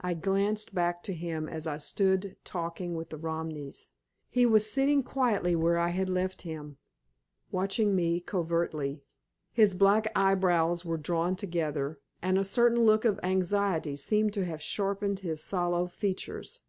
I glanced back to him as I stood talking with the Romneys. He was sitting quietly where I had left him, watching me covertly. His black eyebrows were drawn together, and a certain look of anxiety seemed to have sharpened his sallow features.